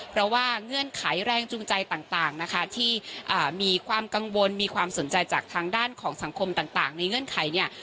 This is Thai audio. เพราะว่าเงื่อนไขแรงจูงใจต่างนะคะที่มีความกังวลมีความสนใจจากทางด้านของสังคมต่างในเงื่อนไขเนี่ย